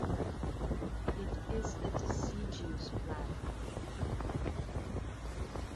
It is a deciduous plant.